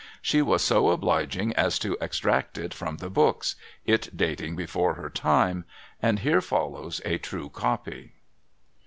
She was so obliging as to extract it from the books, — it dating before her time, — and here follows a true copy : Coffee Room.